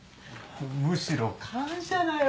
むしろ感謝だよ。